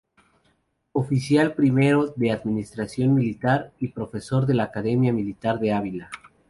Oficial primero de Administración Militar y profesor de la Academia Militar de Ávila.